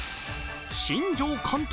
新庄監督